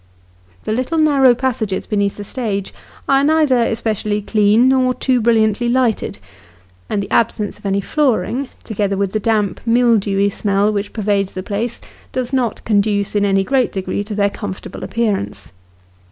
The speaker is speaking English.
The little narrow passages beneath the stage are neither especially clean nor too brilliantly lighted ; and the absence of any flooring, together with the damp mildewy smell which pervades the place, does not conduce in any great degree to their comfortable appearance.